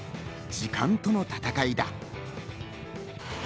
時間との戦いだ。